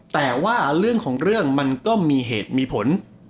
แต่ว่าเรื่องของเรื่องมันก็มีเหตุมีผล